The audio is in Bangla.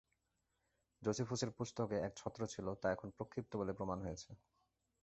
জোসিফুসের পুস্তকে এক ছত্র ছিল, তা এখন প্রক্ষিপ্ত বলে প্রমাণ হয়েছে।